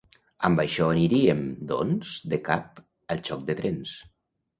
Amb això aniríem, doncs, de cap al xoc de trens.